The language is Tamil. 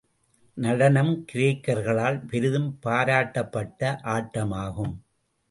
நடனம் கிரேக்கர்களால் பெரிதும் பாராட்டப்பட்ட ஆட்டமாகும்.